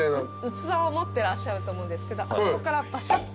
器を持ってらっしゃると思うんですけどあそこからバシャッと。